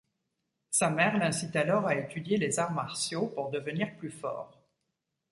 Sa mère l'incite alors à étudier les arts martiaux pour devenir plus fort.